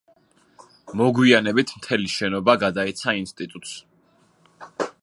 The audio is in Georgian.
მოგვიანებით მთელი შენობა გადაეცა ინსტიტუტს.